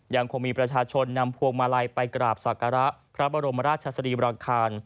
ยังคงมีประชาชนนำพวงมาลัยไปกราบศักระพระบรมราชสรีบราคาร